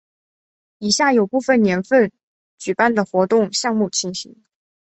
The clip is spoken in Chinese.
以下有部分年份举办的活动项目情形。